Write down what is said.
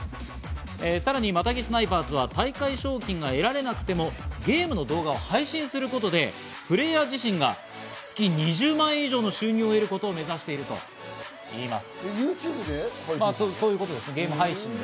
さらにマタギスナイパーズは大会賞金が得られなくてもゲームの動画を配信することでプレーヤー自身が月２０万円以上の収入を得ることを目指しているといいます。